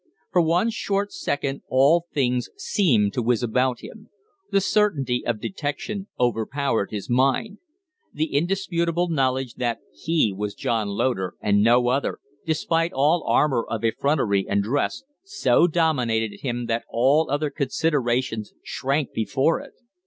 For one short second all things seemed to whiz about him; the certainty of detection overpowered his mind. The indisputable knowledge that he was John Loder and no other, despite all armor of effrontery and dress, so dominated him that all other considerations shrank before it.